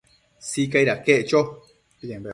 Sicaid aquec cho